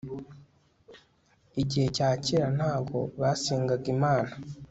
igihe cyakera ntago basenganga imana